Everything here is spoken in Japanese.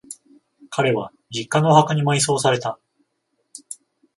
彼は、実家のお墓に埋葬された。